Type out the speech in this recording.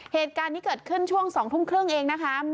เหตุการณ์นี้เกิดขึ้นช่วง๒ทุ่มครึ่งเองนะคะ